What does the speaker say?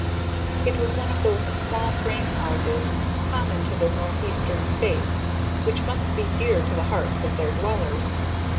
It was one of those small frame houses common to the northeastern states, which must be dear to the hearts of their dwellers.